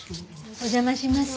お邪魔します。